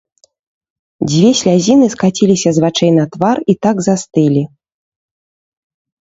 Дзве слязіны скаціліся з вачэй на твар і так застылі.